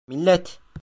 Millet!